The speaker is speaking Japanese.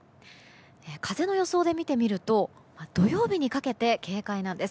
風の予想で見てみると土曜日にかけて警戒なんです。